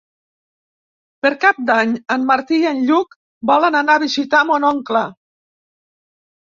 Per Cap d'Any en Martí i en Lluc volen anar a visitar mon oncle.